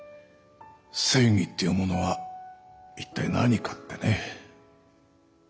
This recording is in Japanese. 正義っていうものは一体何かってね。